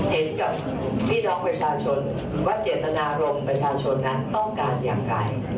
เห็นกับพี่น้องประชาชนว่าเจตนารมณ์ประชาชนนั้นต้องการอย่างไร